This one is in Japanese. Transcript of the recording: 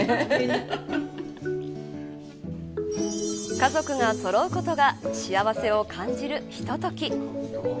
家族がそろうことが幸せを感じるひととき。